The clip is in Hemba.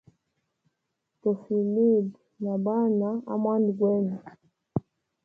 Tofilibwa na bana amwanda gwenu.